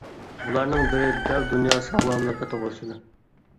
بۇلارنىڭ بىرى دەل دۇنيا ساغلاملىقى توغرىسىدا.